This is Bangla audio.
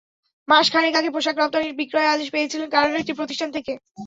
মাস খানেক আগে পোশাক রপ্তানির বিক্রয় আদেশ পেয়েছিলেন কানাডার একটি প্রতিষ্ঠান থেকে।